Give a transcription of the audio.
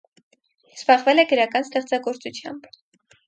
Զբաղվել է գրական ստեղծագործությամբ։